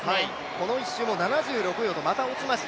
この１周も７６秒とまた落ちました。